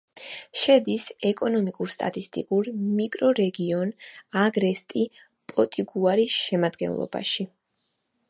შედის ეკონომიკურ-სტატისტიკურ მიკრორეგიონ აგრესტი-პოტიგუარის შემადგენლობაში.